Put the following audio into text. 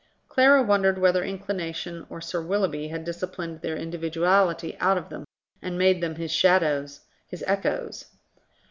Clara wondered whether inclination or Sir Willoughby had disciplined their individuality out of them and made them his shadows, his echoes.